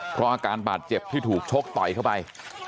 เพราะอาการบาดเจ็บที่ถูกชกต่อยเข้าไป